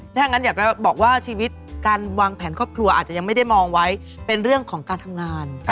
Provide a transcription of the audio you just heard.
ถ้างั้นอยากจะบอกว่าชีวิตการวางแผนครอบครัวอาจจะยังไม่ได้มองไว้เป็นเรื่องของการทำงาน